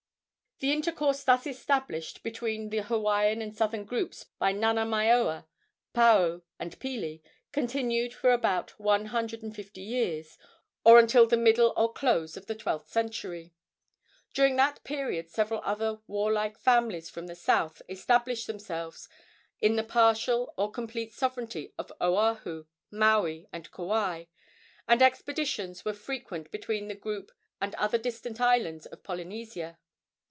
The intercourse thus established between the Hawaiian and southern groups by Nanamaoa, Paao and Pili continued for about one hundred and fifty years, or until the middle or close of the twelfth century. During that period several other warlike families from the south established themselves in the partial or complete sovereignty of Oahu, Maui and Kauai, and expeditions were frequent between the group and other distant islands of Polynesia.